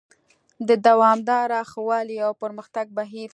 د دوامداره ښه والي او پرمختګ بهیر: